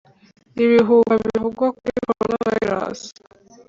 ibihuha bivugwa kuri corona virus